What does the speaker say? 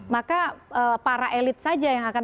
maka para elit saja yang akan